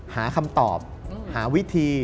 หาคำตอบหาวิธี